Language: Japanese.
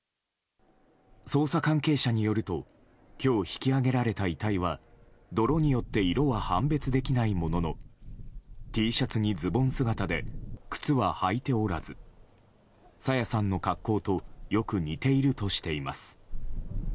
捜査関係者によると今日、引き揚げられた遺体は泥によって色は判別できないもののＴシャツにズボン姿で靴は履いておらず朝芽さんの格好とよく似ているとしています。